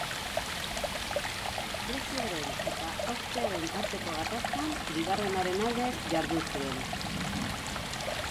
Prusiaren eta Austriaren arteko gatazkan, bigarrenaren alde jardun zuen.